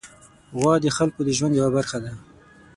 غوا د خلکو د ژوند یوه برخه ده.